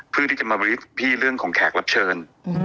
เพื่อที่จะมาเรียกพี่เรื่องของแขกรับเชิญ